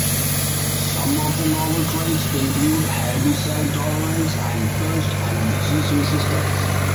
Some of the novel traits include herbicide tolerance and pest and disease resistance.